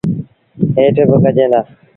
هيٽ بيآݩ ڪجين دآ۔